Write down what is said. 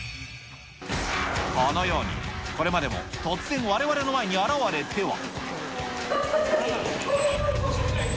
このように、これまでも突然われわれの前に現れては。